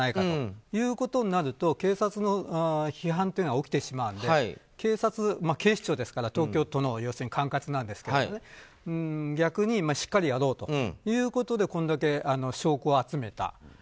そういうことになると警察への批判というのは起きてしまうので警察、警視庁ですから東京都の管轄なんですが逆にしっかりやろうということでこれだけ証拠を集めた。